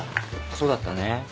そうだったね。